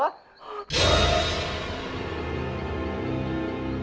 ไอ้ยวก